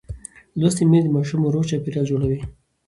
لوستې میندې د ماشوم روغ چاپېریال جوړوي.